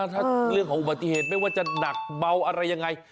ถ้าเรื่องของอุบัติเหตุไม่ว่าจะหนักเบาอะไรยังไง